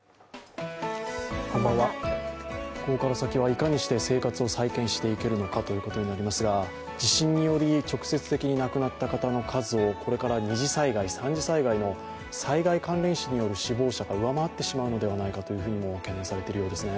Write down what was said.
ここから先はいかにして生活を再建していけるのかということになりますが、地震により直接的に亡くなった方の数をこれから二次災害、三次災害の災害関連死の死亡者が上回ってしまうのではないかと懸念されているようですね。